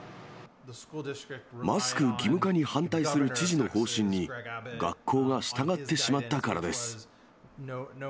マスク義務化に反対する知事の方針に学校が従ってしまったからです。